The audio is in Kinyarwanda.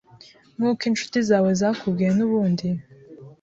nkuko inshuti zawe zakubwiye nubundi